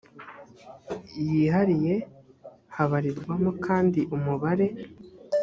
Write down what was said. yihariye habarirwamo kandi umubare